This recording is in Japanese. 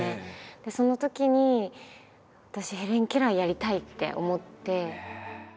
でそのときに私ヘレン・ケラーやりたい！って思って。